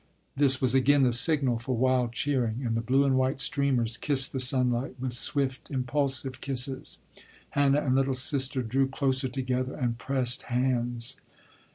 This was again the signal for wild cheering and the blue and white streamers kissed the sunlight with swift impulsive kisses. Hannah and "little sister" drew closer together and pressed hands.